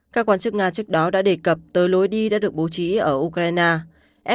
các quan chức nga trước đó đã đề cập tới lối đi đã được bố trí ở ukraine